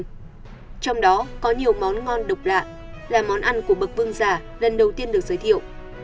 trong đó có nhiều món ngon độc lạ là món ăn của bậc vương giả lần đầu tiên được giới thiệu